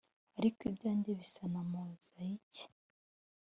ariko ibyanjye bisa na mozayike-